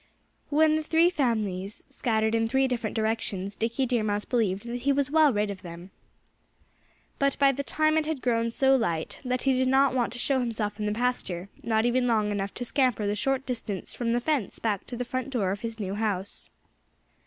When the three families scattered in three different directions Dickie Deer Mouse believed that he was well rid of them. But by that time it had grown so light that he did not want to show himself in the pasture, not even long enough to scamper the short distance from the fence back to the front door of his new house.